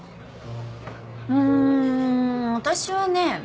うん私はね